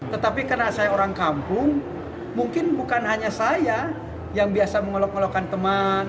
tetapi karena saya orang kampung mungkin bukan hanya saya yang biasa mengelok ngolokkan teman